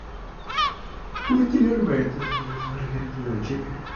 Posteriormente, estudió sociología en la Universidad de Chile.